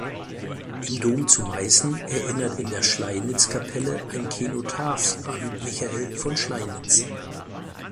Im Dom zu Meißen erinnert in der Schleinitzkapelle ein Kenotaph an Michael von Schleinitz.